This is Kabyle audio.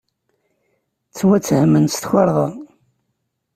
Ttwattehmen s tukerḍa.